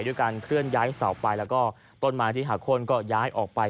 ด้วยการเคลื่อนย้ายเสาไปแล้วก็ต้นไม้ที่หักโค้นก็ย้ายออกไป